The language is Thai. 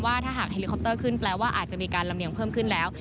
ถ้าหากเฮลิคอปเตอร์ขึ้นแปลว่าอาจจะมีการลำเลียงเพิ่มขึ้นแล้ว